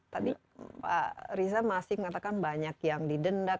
tadi pak riza masih mengatakan banyak yang didendak